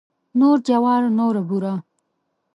نور جوار نوره بوره.